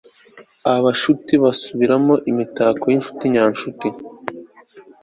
ubucuti busubiramo imitako yinshuti inshuti